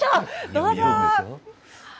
どうぞ。